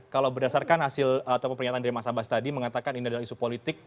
kalau berdasarkan hasil ataupun pernyataan dari mas abas tadi mengatakan ini adalah isu politik